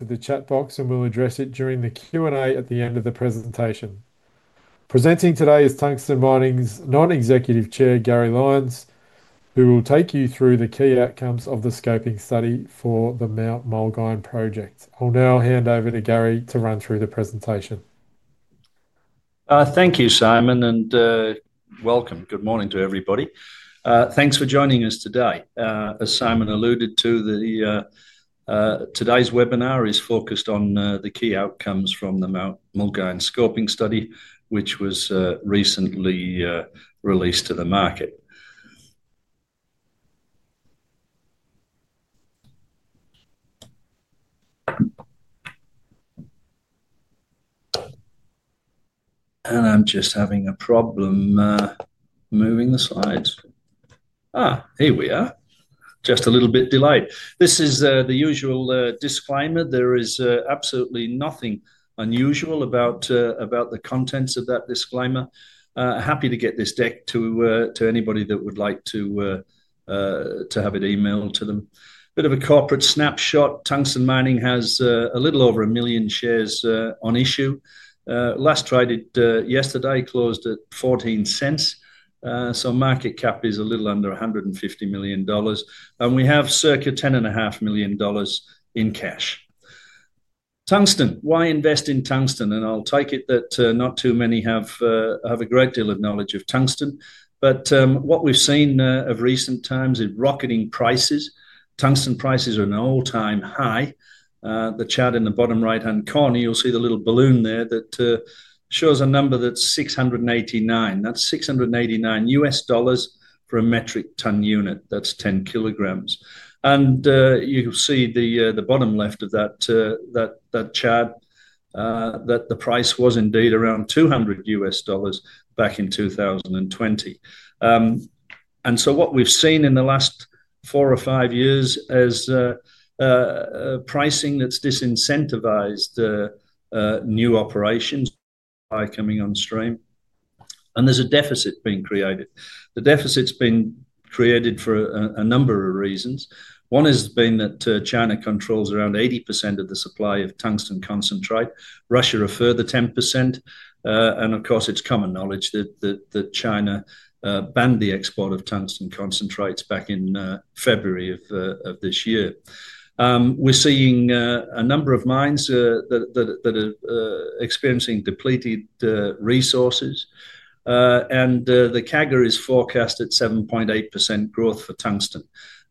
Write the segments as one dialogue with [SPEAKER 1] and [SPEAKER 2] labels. [SPEAKER 1] To the chat box, and we'll address it during the Q&A at the end of the presentation. Presenting today is Tungsten Mining's Non-Executive Chair, Gary Lyons, who will take you through the key outcomes of the scoping study for the Mount Mulgine project. I'll now hand over to Gary to run through the presentation.
[SPEAKER 2] Thank you, Simon, and welcome. Good morning to everybody. Thanks for joining us today. As Simon alluded to, today's webinar is focused on the key outcomes from the Mount Mulgine scoping study, which was recently released to the market. I'm just having a problem moving the slides. Here we are. Just a little bit delayed. This is the usual disclaimer. There is absolutely nothing unusual about the contents of that disclaimer. Happy to get this deck to anybody that would like to have it emailed to them. Bit of a corporate snapshot. Tungsten Mining has a little over a million shares on issue. Last traded yesterday, closed at 0.14. Market cap is a little under AUD 150 million. We have circa AUD 10.5 million in cash. Tungsten, why invest in tungsten? I'll take it that not too many have a great deal of knowledge of tungsten. What we've seen of recent times is rocketing prices. Tungsten prices are at an all-time high. The chart in the bottom right-hand corner, you'll see the little balloon there that shows a number that's 689. That's $689 for a metric ton unit. That's 10 kg. You see the bottom left of that chart that the price was indeed around $200 back in 2020. What we've seen in the last four or five years is pricing that's disincentivized new operations by coming on stream. There's a deficit being created. The deficit's been created for a number of reasons. One has been that China controls around 80% of the supply of tungsten concentrate. Russia referred the 10%. Of course, it's common knowledge that China banned the export of tungsten concentrates back in February of this year. We're seeing a number of mines that are experiencing depleted resources. The CAGR is forecast at 7.8% growth for tungsten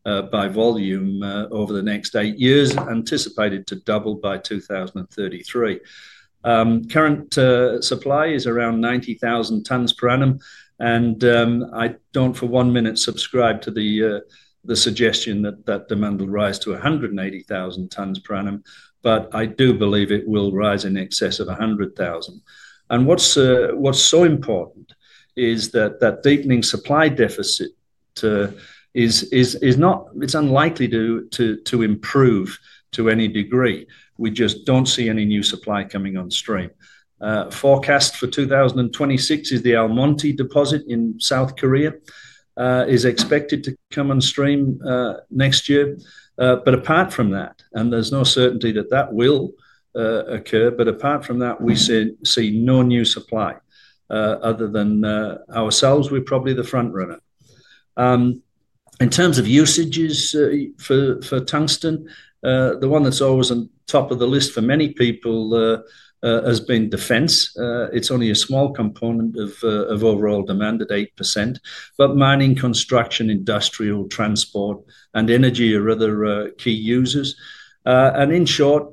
[SPEAKER 2] by volume over the next eight years, anticipated to double by 2033. Current supply is around 90,000 tons per annum. I do not for one minute subscribe to the suggestion that demand will rise to 180,000 tons per annum. I do believe it will rise in excess of 100,000. What is so important is that the deepening supply deficit is unlikely to improve to any degree. We just do not see any new supply coming on stream. Forecast for 2026 is the Almonty deposit in South Korea is expected to come on stream next year. Apart from that, and there is no certainty that that will occur, apart from that, we see no new supply other than ourselves. We are probably the front runner. In terms of usages for tungsten, the one that's always on top of the list for many people has been defense. It's only a small component of overall demand at 8%. Mining, construction, industrial, transport, and energy are other key users. In short,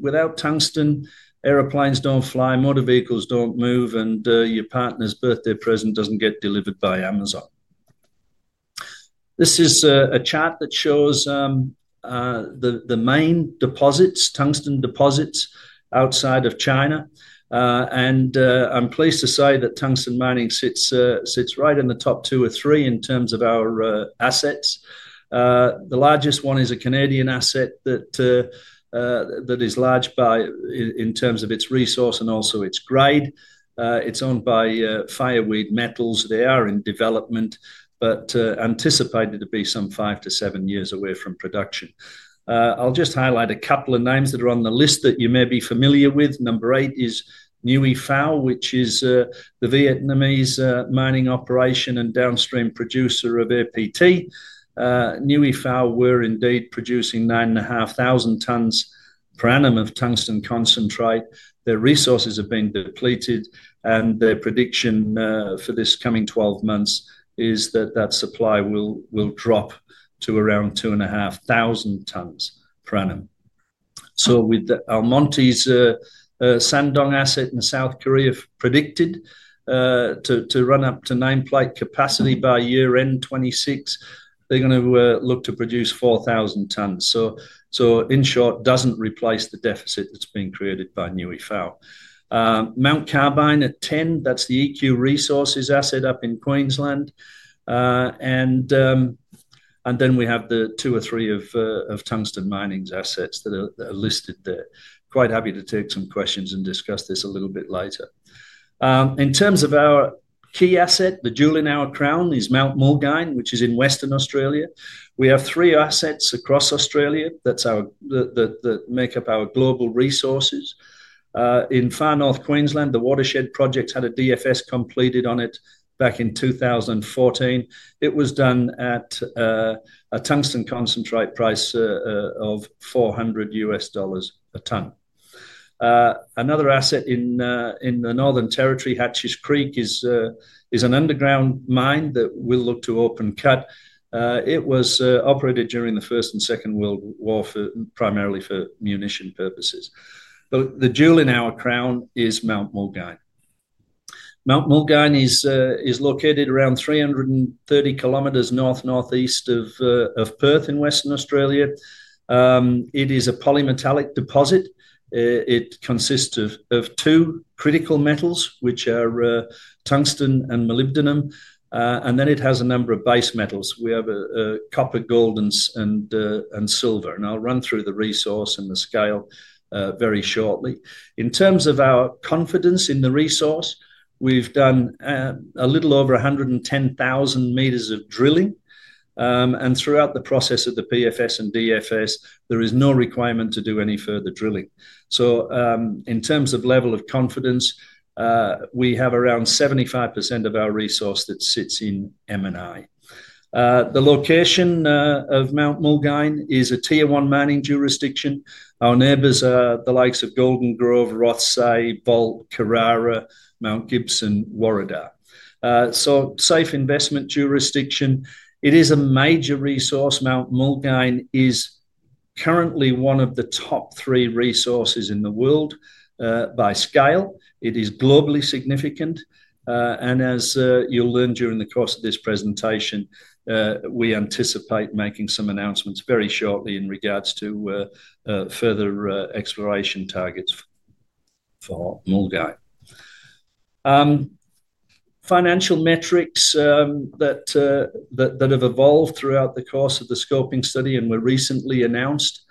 [SPEAKER 2] without tungsten, airplanes don't fly, motor vehicles don't move, and your partner's birthday present doesn't get delivered by Amazon. This is a chart that shows the main tungsten deposits outside of China. I'm pleased to say that Tungsten Mining sits right in the top two or three in terms of our assets. The largest one is a Canadian asset that is large in terms of its resource and also its grade. It's owned by Fireweed Metals. They are in development, but anticipated to be some five to seven years away from production. I'll just highlight a couple of names that are on the list that you may be familiar with. Number eight is Núi Pháo, which is the Vietnamese mining operation and downstream producer of APT. Núi Pháo were indeed producing 9,500 tons per annum of tungsten concentrate. Their resources have been depleted. Their prediction for this coming 12 months is that that supply will drop to around 2,500 tons per annum. With Almonty’s Sangdong asset in South Korea predicted to run up to full capacity by year-end 2026, they're going to look to produce 4,000 tons. In short, it does not replace the deficit that's being created by Núi Pháo. Mount Carbine at 10, that's the EQ Resources asset up in Queensland. Then we have the two or three of Tungsten Mining assets that are listed there. Quite happy to take some questions and discuss this a little bit later. In terms of our key asset, the jewel in our crown is Mount Mulgine, which is in Western Australia. We have three assets across Australia that make up our global resources. In Far North Queensland, the Watershed Project had a DFS completed on it back in 2014. It was done at a tungsten concentrate price of $400 a ton. Another asset in the Northern Territory, Hatches Creek, is an underground mine that we'll look to open cut. It was operated during the First and Second World War primarily for munition purposes. The jewel in our crown is Mount Mulgine. Mount Mulgine is located around 330 km north-northeast of Perth in Western Australia. It is a polymetallic deposit. It consists of two critical metals, which are tungsten and molybdenum. It has a number of base metals. We have copper, gold, and silver. I'll run through the resource and the scale very shortly. In terms of our confidence in the resource, we've done a little over 110,000 meters of drilling. Throughout the process of the PFS and DFS, there is no requirement to do any further drilling. In terms of level of confidence, we have around 75% of our resource that sits in M&I. The location of Mount Mulgine is a Tier 1 mining jurisdiction. Our neighbors are the likes of Golden Grove, Rothesay, Volta, Karara, Mount Gibson, Worridah. Safe investment jurisdiction. It is a major resource. Mount Mulgine is currently one of the top three resources in the world by scale. It is globally significant. As you'll learn during the course of this presentation, we anticipate making some announcements very shortly in regards to further exploration targets for Mulgine. Financial metrics that have evolved throughout the course of the scoping study and were recently announced.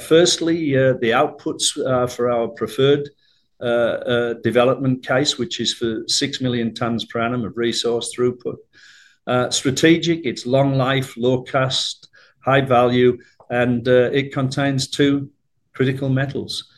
[SPEAKER 2] Firstly, the outputs for our preferred development case, which is for 6 million tons per annum of resource throughput. Strategic, it's long life, low cost, high value. It contains two critical metals.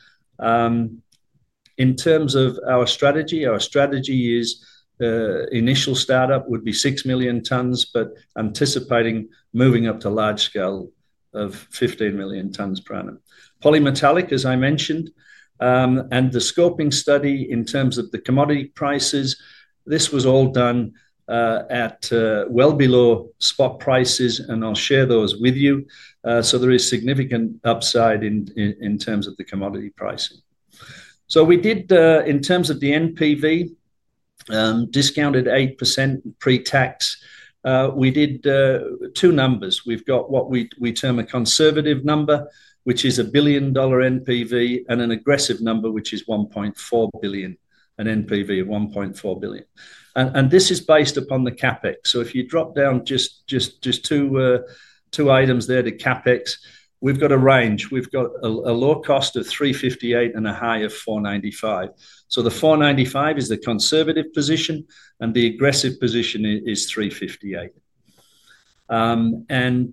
[SPEAKER 2] In terms of our strategy, our strategy is initial startup would be 6 million tons, but anticipating moving up to large scale of 15 million tons per annum. Polymetallic, as I mentioned. The scoping study in terms of the commodity prices, this was all done at well below spot prices. I'll share those with you. There is significant upside in terms of the commodity pricing. We did, in terms of the NPV, discounted 8% pre-tax. We did two numbers. We've got what we term a conservative number, which is a 1 billion dollar NPV, and an aggressive number, which is 1.4 billion, an NPV of 1.4 billion. This is based upon the CapEx. If you drop down just two items there to CapEx, we've got a range. We've got a low cost of 358 million and a high of 495 million. The 495 million is the conservative position, and the aggressive position is 358 million.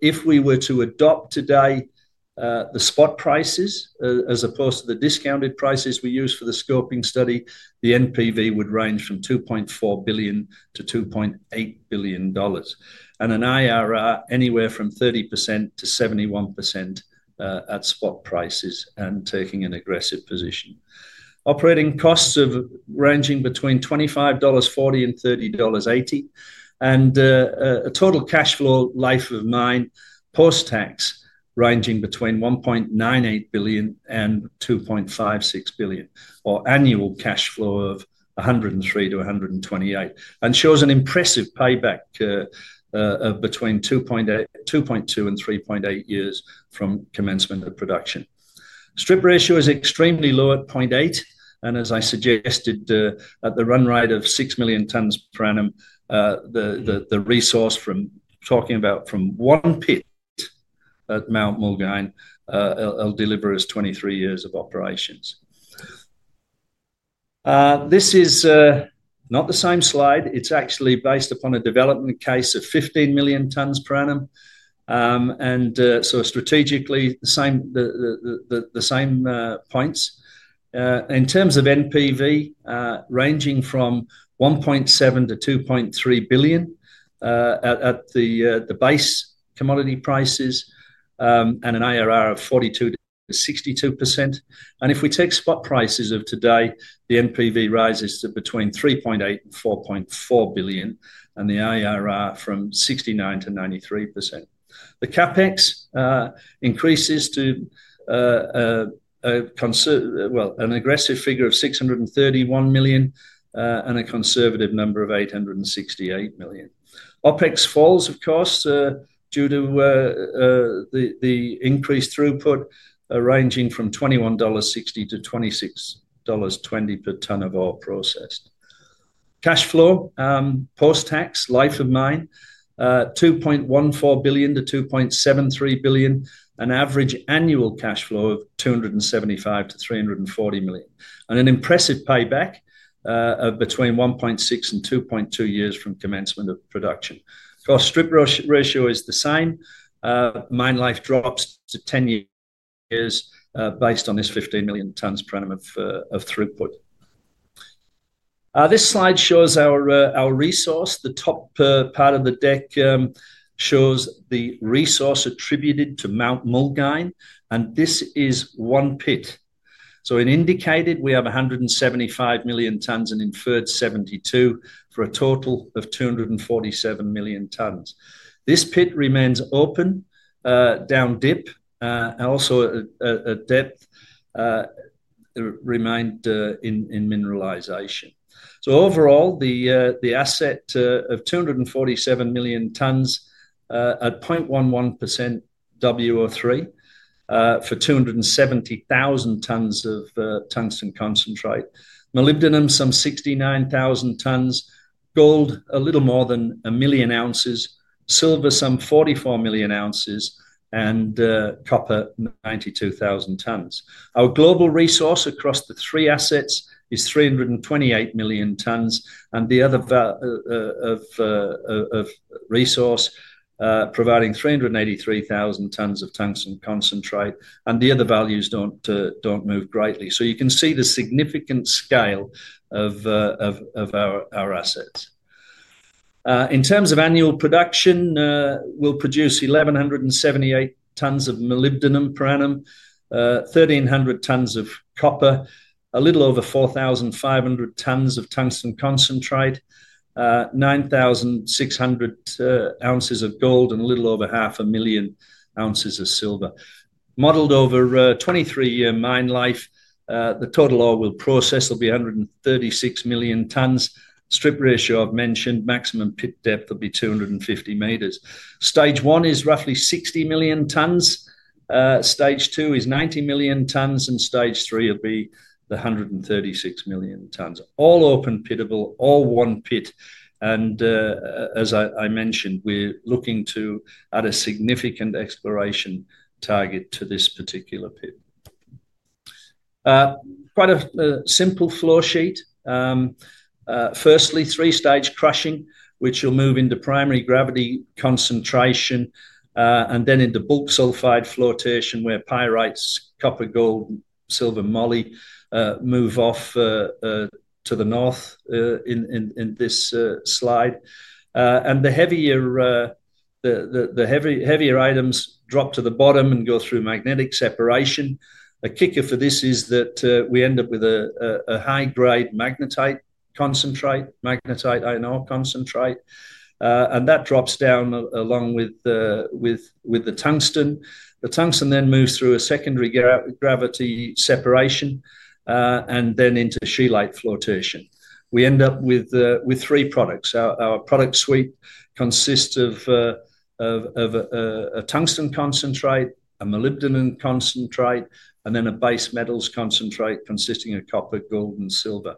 [SPEAKER 2] If we were to adopt today the spot prices as opposed to the discounted prices we use for the scoping study, the NPV would range from 2.4 billion-2.8 billion dollars. An IRR anywhere from 30%-71% at spot prices and taking an aggressive position. Operating costs ranging between 25.40-30.80 dollars. A total cash flow life of mine post-tax ranging between 1.98 billion and 2.56 billion, or annual cash flow of 103 million-128 million. It shows an impressive payback between 2.2 and 3.8 years from commencement of production. Strip ratio is extremely low at 0.8. As I suggested, at the run rate of 6 million tons per annum, the resource I am talking about from one pit at Mount Mulgine will deliver us 23 years of operations. This is not the same slide. It is actually based upon a development case of 15 million tons per annum. Strategically, the same points. In terms of NPV, ranging from 1.7 billion-2.3 billion at the base commodity prices and an IRR of 42%-62%. If we take spot prices of today, the NPV rises to between 3.8 billion-4.4 billion, and the IRR from 69%-93%. The CapEx increases to, well, an aggressive figure of 631 million and a conservative number of 868 million. OPEX falls, of course, due to the increased throughput ranging from 21.60-26.20 dollars per ton of ore processed. Cash flow post-tax, life of mine, 2.14 billion-2.73 billion, an average annual cash flow of 275 million-340 million. An impressive payback of between 1.6 and 2.2 years from commencement of production. Of course, strip ratio is the same. Mine life drops to 10 years based on this 15 million tons per annum of throughput. This slide shows our resource. The top part of the deck shows the resource attributed to Mount Mulgine. This is one pit. In indicated, we have 175 million tons and inferred 72 for a total of 247 million tons. This pit remains open, down deep, and also a depth remained in mineralization. Overall, the asset of 247 million tons at 0.11% WO3 for 270,000 tons of tungsten concentrate. Molybdenum, some 69,000 tons. Gold, a little more than 1 million ounces. Silver, some 44 million ounces. Copper, 92,000 tons. Our global resource across the three assets is 328 million tons. The other resource providing 383,000 tons of tungsten concentrate. The other values do not move greatly. You can see the significant scale of our assets. In terms of annual production, we will produce 1,178 tons of molybdenum per annum, 1,300 tons of copper, a little over 4,500 tons of tungsten concentrate, 9,600 ounces of gold, and a little over 500,000 ounces of silver. Modeled over a 23-year mine life, the total ore we will process will be 136 million tons. Strip ratio I have mentioned, maximum pit depth will be 250 meters. Stage one is roughly 60 million tons. Stage two is 90 million tons. Stage three will be the 136 million tons. All open pittable. All one pit. As I mentioned, we're looking to add a significant exploration target to this particular pit. Quite a simple flow sheet. Firstly, three-stage crushing, which will move into primary gravity concentration. Then into bulk sulfide flotation, where pyrites, copper, gold, silver, and moly move off to the north in this slide. The heavier items drop to the bottom and go through magnetic separation. A kicker for this is that we end up with a high-grade magnetite concentrate, magnetite iron ore concentrate. That drops down along with the tungsten. The tungsten then moves through a secondary gravity separation and then into scheelite flotation. We end up with three products. Our product suite consists of a tungsten concentrate, a molybdenum concentrate, and then a base metals concentrate consisting of copper, gold, and silver.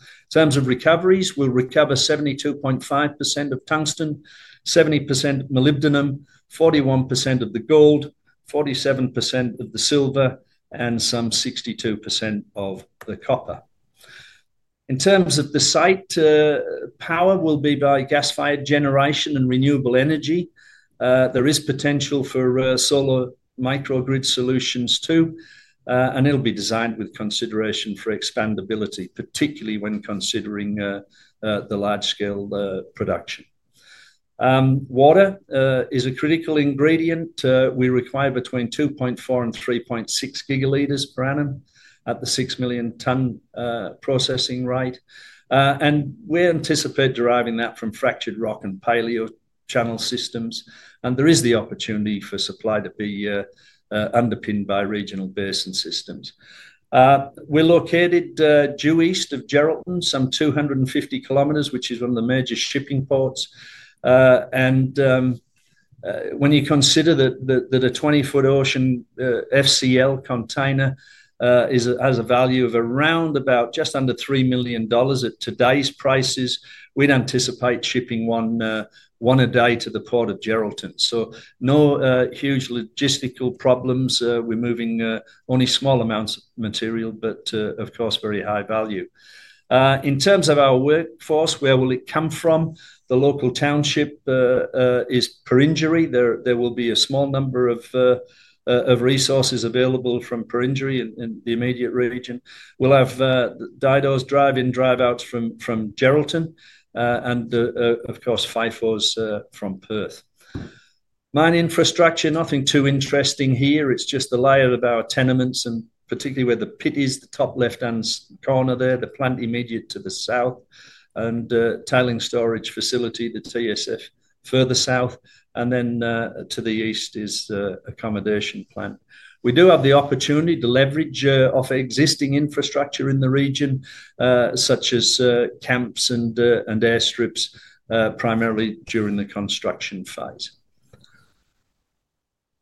[SPEAKER 2] In terms of recoveries, we'll recover 72.5% of tungsten, 70% molybdenum, 41% of the gold, 47% of the silver, and some 62% of the copper. In terms of the site power, will be by gas-fired generation and renewable energy. There is potential for solar microgrid solutions too. It will be designed with consideration for expandability, particularly when considering the large-scale production. Water is a critical ingredient. We require between 2.4 and 3.6 gigaliters per annum at the 6 million ton processing rate. We anticipate deriving that from fractured rock and paleo channel systems. There is the opportunity for supply to be underpinned by regional basin systems. We are located due east of Geraldton, some 250 km, which is one of the major shipping ports. When you consider that a 20-foot ocean FCL container has a value of just under AUD 3 million at today's prices, we'd anticipate shipping one a day to the port of Geraldton. No huge logistical problems. We're moving only small amounts of material, but of course, very high value. In terms of our workforce, where will it come from? The local township is Perenjori. There will be a small number of resources available from Perenjori in the immediate region. We'll have DIDO's (Drive-In Drive-Out), from Geraldton and, of course, Fifo's from Perth. Mine infrastructure, nothing too interesting here. It's just a layer of our tenements and particularly where the pit is, the top left-hand corner there, the plant immediate to the south, and tailing storage facility, the TSF, further south. Then to the east is accommodation plant. We do have the opportunity to leverage off existing infrastructure in the region, such as camps and airstrips, primarily during the construction phase.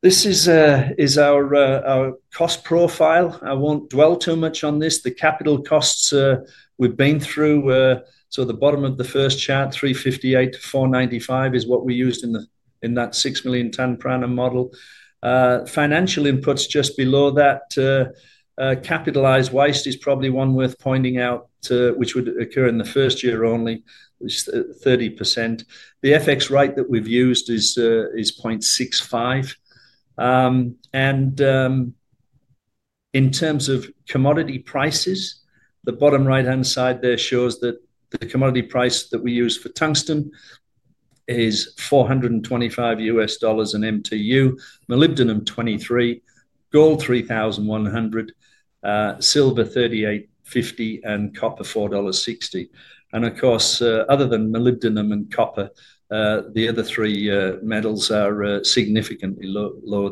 [SPEAKER 2] This is our cost profile. I won't dwell too much on this. The capital costs we've been through were, so the bottom of the first chart, 358-495, is what we used in that 6 million ton per annum model. Financial inputs just below that. Capitalized waste is probably one worth pointing out, which would occur in the first year only, which is 30%. The FX rate that we've used is 0.65. In terms of commodity prices, the bottom right-hand side there shows that the commodity price that we use for tungsten is $425 per MTU, molybdenum $23, gold $3,100, silver $38.50, and copper $4.60. Of course, other than molybdenum and copper, the other three metals are significantly lower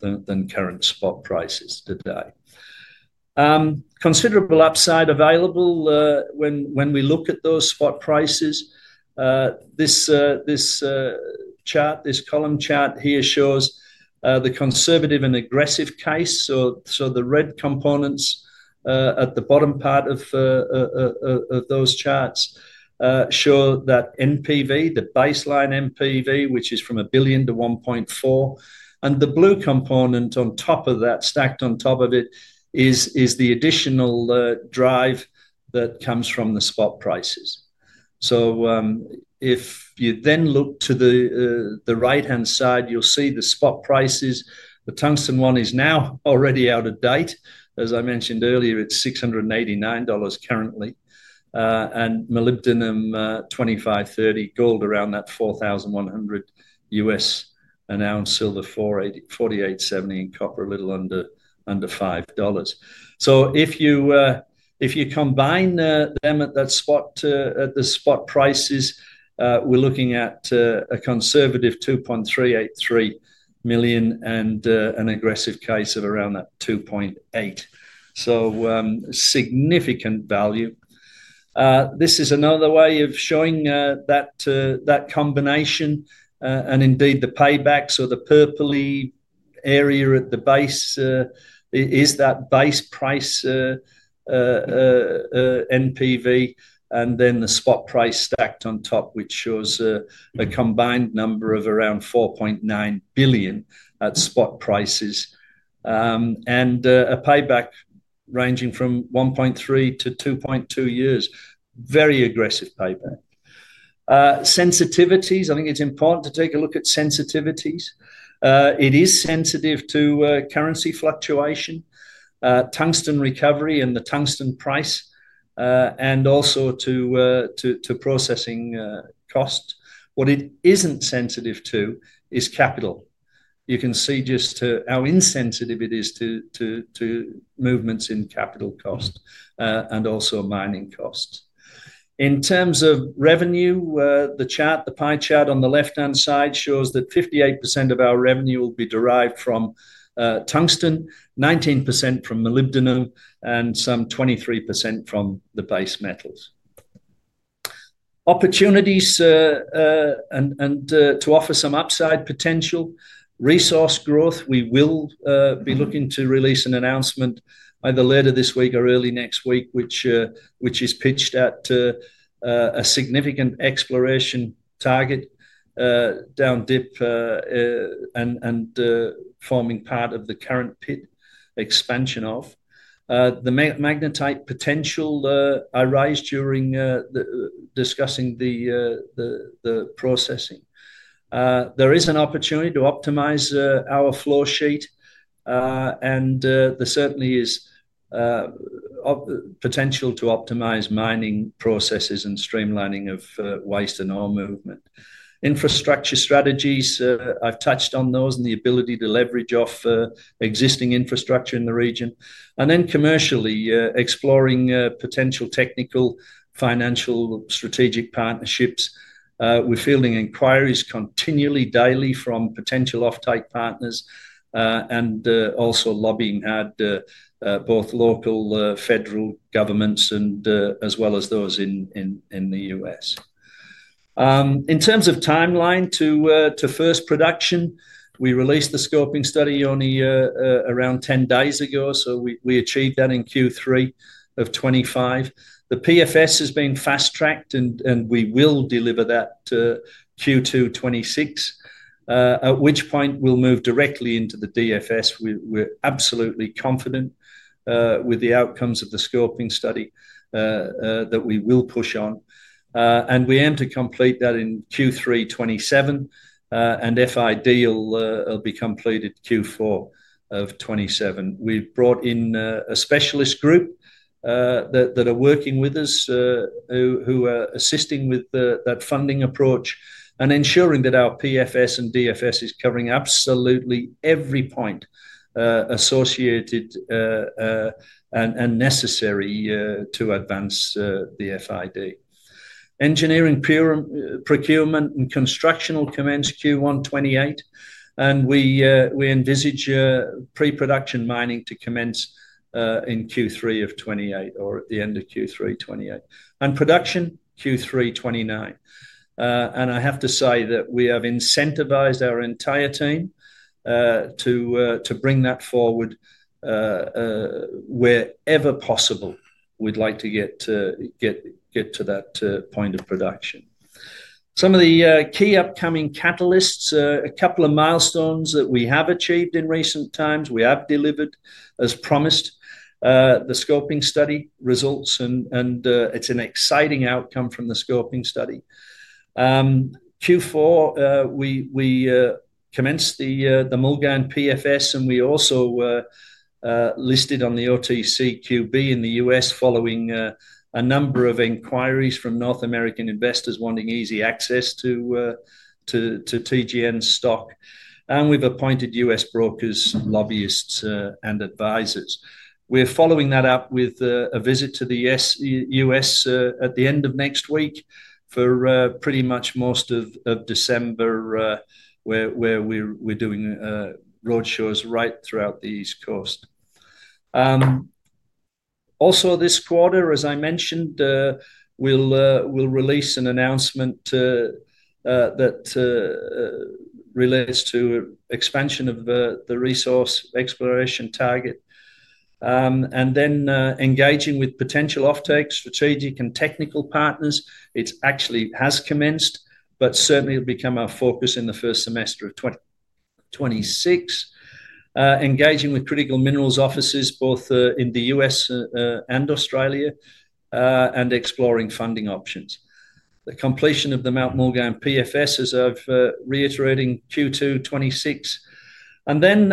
[SPEAKER 2] than current spot prices today. Considerable upside available when we look at those spot prices. This chart, this column chart here shows the conservative and aggressive case. The red components at the bottom part of those charts show that NPV, the baseline NPV, which is from 1 billion-1.4 billion. The blue component on top of that, stacked on top of it, is the additional drive that comes from the spot prices. If you then look to the right-hand side, you'll see the spot prices. The tungsten one is now already out of date. As I mentioned earlier, it's $689 currently. Molybdenum $25.30, gold around that $4,100 an ounce, silver $48.70, and copper a little under $5. If you combine them at the spot prices, we're looking at a conservative 2.383 billion and an aggressive case of around 2.8 billion. Significant value. This is another way of showing that combination. Indeed, the payback, the purpley area at the base is that base price NPV, and then the spot price stacked on top, which shows a combined number of around 4.9 billion at spot prices. A payback ranging from 1.3-2.2 years. Very aggressive payback. Sensitivities. I think it's important to take a look at sensitivities. It is sensitive to currency fluctuation, tungsten recovery, and the tungsten price, and also to processing costs. What it isn't sensitive to is capital. You can see just how insensitive it is to movements in capital costs and also mining costs. In terms of revenue, the pie chart on the left-hand side shows that 58% of our revenue will be derived from tungsten, 19% from molybdenum, and 23% from the base metals. Opportunities and to offer some upside potential. Resource growth. We will be looking to release an announcement either later this week or early next week, which is pitched at a significant exploration target down deep and forming part of the current pit expansion. The magnetite potential I raised during discussing the processing. There is an opportunity to optimize our flow sheet. There certainly is potential to optimize mining processes and streamlining of waste and ore movement. Infrastructure strategies. I have touched on those and the ability to leverage off existing infrastructure in the region. Commercially, exploring potential technical, financial, strategic partnerships. We're fielding inquiries continually daily from potential off-take partners and also lobbying at both local, federal governments, as well as those in the U.S. In terms of timeline to first production, we released the scoping study only around 10 days ago. We achieved that in Q3 of 2025. The PFS has been fast-tracked, and we will deliver that to Q2 2026, at which point we'll move directly into the DFS. We're absolutely confident with the outcomes of the scoping study that we will push on. We aim to complete that in Q3 2027. FID will be completed Q4 of 2027. We've brought in a specialist group that are working with us who are assisting with that funding approach and ensuring that our PFS and DFS is covering absolutely every point associated and necessary to advance the FID. Engineering procurement and construction will commence Q1 2028. We envisage pre-production mining to commence in Q3 of 2028 or at the end of Q3 2028. Production is targeted for Q3 2029. I have to say that we have incentivized our entire team to bring that forward wherever possible. We'd like to get to that point of production. Some of the key upcoming catalysts, a couple of milestones that we have achieved in recent times. We have delivered as promised, the scoping study results, and it's an exciting outcome from the scoping study. In Q4, we commenced the Mulgine and PFS, and we also listed on the OTCQB in the US following a number of inquiries from North American investors wanting easy access to TGN stock. We have appointed U.S. brokers, lobbyists, and advisors. We're following that up with a visit to the U.S. at the end of next week for pretty much most of December, where we're doing roadshows right throughout the East Coast. Also, this quarter, as I mentioned, we'll release an announcement that relates to expansion of the resource exploration target. Then engaging with potential off-takes, strategic and technical partners. It actually has commenced, but certainly will become our focus in the first semester of 2026. Engaging with critical minerals offices, both in the U.S. and Australia, and exploring funding options. The completion of the Mount Mulgine and PFS, as I've reiterated, Q2 2026. Then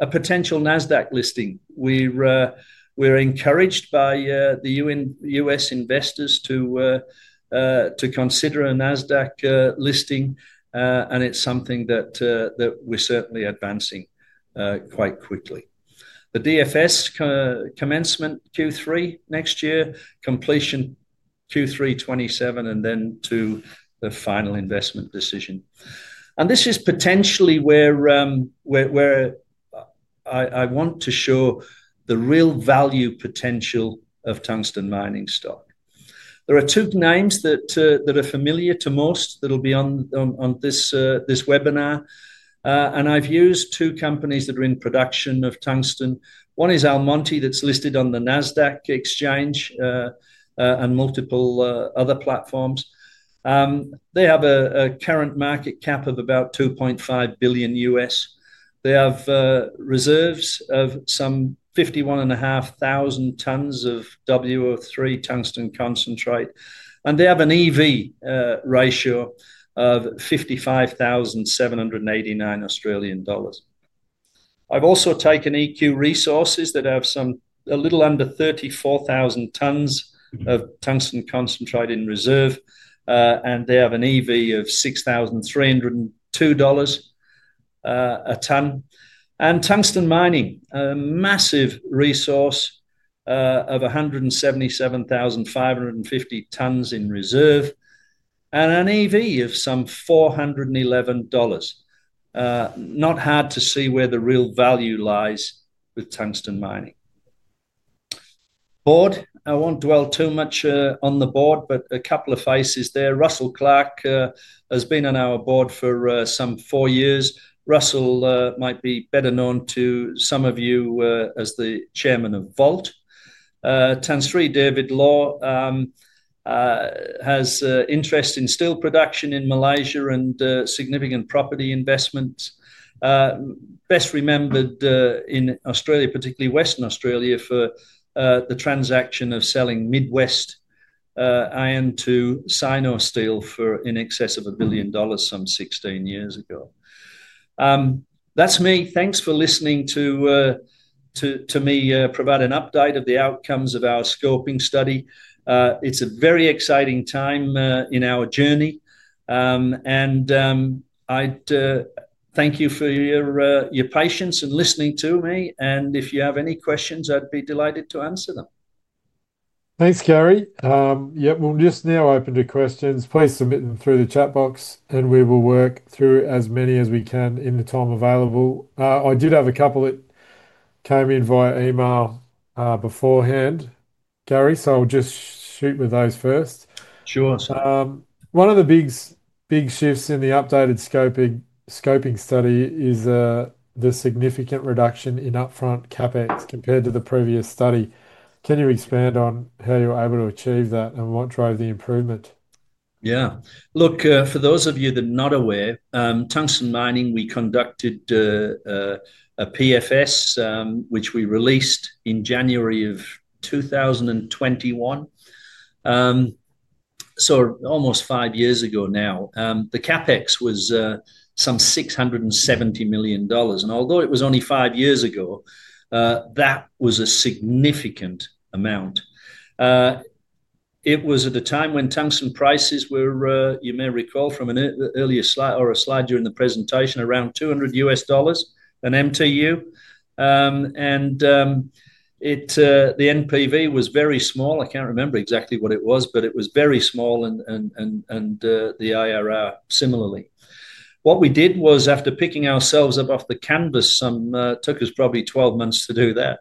[SPEAKER 2] a potential NASDAQ listing. We're encouraged by the U.S. investors to consider a NASDAQ listing. It's something that we're certainly advancing quite quickly. The DFS commencement Q3 next year, completion Q3 2027, then to the final investment decision. This is potentially where I want to show the real value potential of Tungsten Mining stock. There are two names that are familiar to most that will be on this webinar. I have used two companies that are in production of tungsten. One is Almonty that is listed on the NASDAQ exchange and multiple other platforms. They have a current market cap of about $2.5 billion. They have reserves of some 51,500 tons of WO₃ tungsten concentrate. They have an EV ratio of 55,789 Australian dollars. I have also taken EQ Resources that have a little under 34,000 tons of tungsten concentrate in reserve. They have an EV of 6,302 dollars a ton. Tungsten Mining, a massive resource of 177,550 tons in reserve, and an EV of 411 dollars. Not hard to see where the real value lies with Tungsten Mining. Board, I won't dwell too much on the board, but a couple of faces there. Russell Clark has been on our board for some four years. Russell might be better known to some of you as the chairman of Volt. Tan Sri David Law has interest in steel production in Malaysia and significant property investments. Best remembered in Australia, particularly Western Australia, for the transaction of selling Midwest iron to Sinosteel for in excess of $1 billion some 16 years ago. That's me. Thanks for listening to me provide an update of the outcomes of our scoping study. It's a very exciting time in our journey. I thank you for your patience in listening to me. If you have any questions, I'd be delighted to answer them.
[SPEAKER 1] Thanks, Gary. Yeah, we'll just now open to questions. Please submit them through the chat box, and we will work through as many as we can in the time available. I did have a couple that came in via email beforehand, Gary, so I'll just shoot with those first.
[SPEAKER 2] Sure.
[SPEAKER 1] One of the big shifts in the updated scoping study is the significant reduction in upfront CapEx compared to the previous study. Can you expand on how you were able to achieve that and what drove the improvement?
[SPEAKER 2] Yeah. Look, for those of you that are not aware, Tungsten Mining, we conducted a PFS, which we released in January of 2021. So almost five years ago now. The CapEx was some 670 million dollars. And although it was only five years ago, that was a significant amount. It was at the time when tungsten prices were, you may recall from an earlier slide or a slide during the presentation, around $200 an MTU. The NPV was very small. I can't remember exactly what it was, but it was very small, and the IRR similarly. What we did was, after picking ourselves up off the canvas, it took us probably 12 months to do that.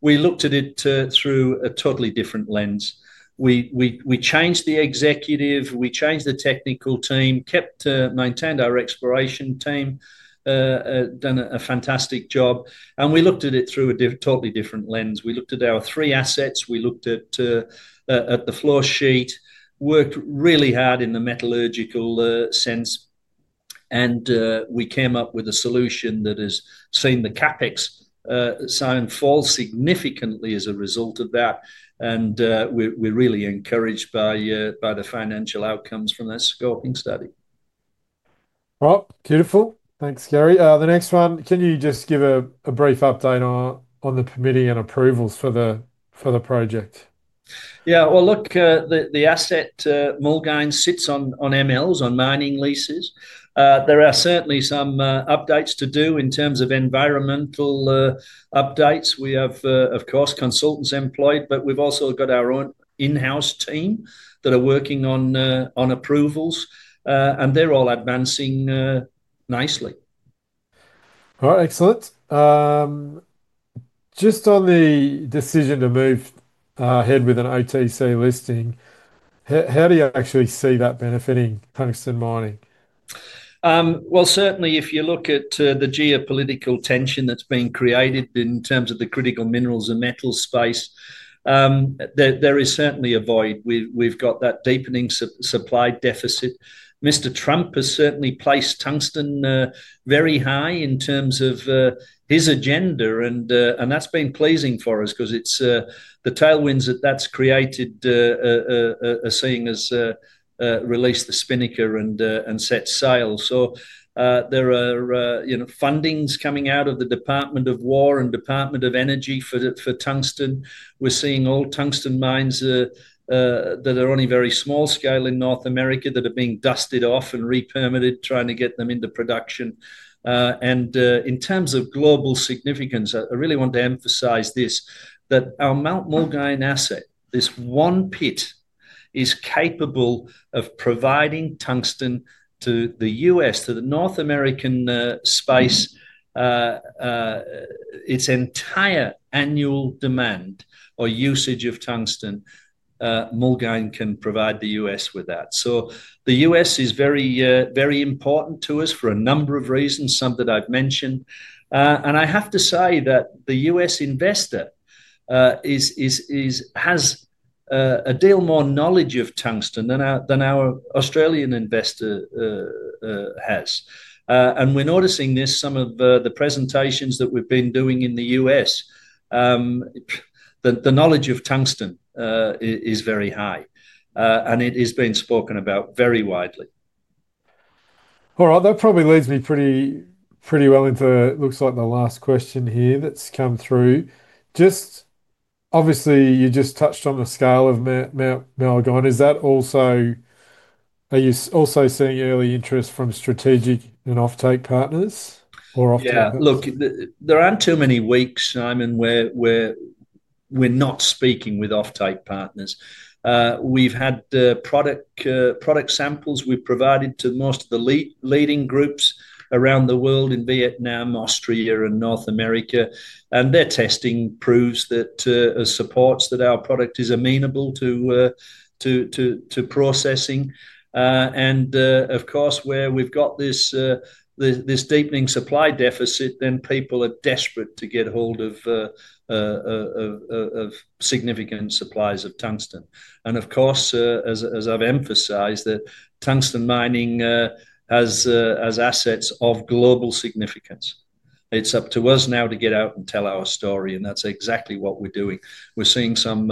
[SPEAKER 2] We looked at it through a totally different lens. We changed the executive. We changed the technical team, maintained our exploration team, done a fantastic job. We looked at it through a totally different lens. We looked at our three assets. We looked at the flow sheet, worked really hard in the metallurgical sense. We came up with a solution that has seen the CapEx sign fall significantly as a result of that. We are really encouraged by the financial outcomes from that scoping study.
[SPEAKER 1] Beautiful. Thanks, Gary. The next one, can you just give a brief update on the committee and approvals for the project?
[SPEAKER 2] Yeah. Look, the asset Mulgine sits on mining leases. There are certainly some updates to do in terms of environmental updates. We have, of course, consultants employed, but we have also got our own in-house team that are working on approvals. They are all advancing nicely.
[SPEAKER 1] All right. Excellent. Just on the decision to move ahead with an OTC listing, how do you actually see that benefiting Tungsten Mining?
[SPEAKER 2] Certainly, if you look at the geopolitical tension that is being created in terms of the critical minerals and metals space, there is certainly a void. We have got that deepening supply deficit. Mr. Trump has certainly placed tungsten very high in terms of his agenda. That has been pleasing for us because the tailwinds that has created are seeing us release the spinnaker and set sail. There are fundings coming out of the Department of War and Department of Energy for tungsten. We are seeing all tungsten mines that are only very small scale in North America that are being dusted off and repermitted, trying to get them into production. In terms of global significance, I really want to emphasize this, that our Mount Mulgine asset, this one pit, is capable of providing tungsten to the U.S., to the North American space, its entire annual demand or usage of tungsten. Mulgine can provide the U.S. with that. The U.S. is very important to us for a number of reasons, some that I have mentioned. I have to say that the U.S. investor has a deal more knowledge of tungsten than our Australian investor has. When noticing this, some of the presentations that we've been doing in the U.S., the knowledge of tungsten is very high. It is being spoken about very widely.
[SPEAKER 1] All right. That probably leads me pretty well into what looks like the last question here that's come through. Obviously, you just touched on the scale of Mulgine. Are you also seeing early interest from strategic and off-take partners?
[SPEAKER 2] Yeah. Look, there aren't too many weeks, Simon, where we're not speaking with off-take partners. We've had product samples we've provided to most of the leading groups around the world in Vietnam, Austria, and North America. Their testing proves that supports that our product is amenable to processing. Of course, where we've got this deepening supply deficit, people are desperate to get hold of significant supplies of tungsten. As I've emphasized, Tungsten Mining has assets of global significance. It's up to us now to get out and tell our story. That's exactly what we're doing. We're seeing some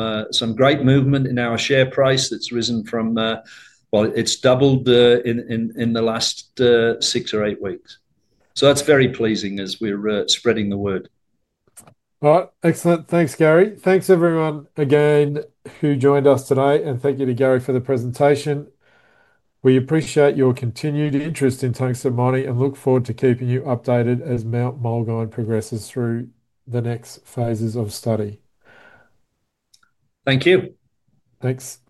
[SPEAKER 2] great movement in our share price that's risen from, it's doubled in the last six or eight weeks. That's very pleasing as we're spreading the word.
[SPEAKER 1] All right. Excellent. Thanks, Gary. Thanks, everyone again who joined us today. Thank you to Gary for the presentation. We appreciate your continued interest in Tungsten Mining and look forward to keeping you updated as Mount Mulgine progresses through the next phases of study.
[SPEAKER 2] Thank you.
[SPEAKER 1] Thanks.